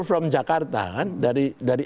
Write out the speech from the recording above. from jakarta kan dari